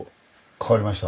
代わりました。